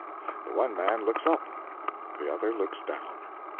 The one man looks up; the other looks down.